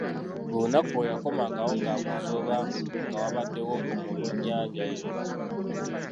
Buli lunaku bwe yakomangawo ng'abuuza obanga wabbaddewo omulunnyanja yenna.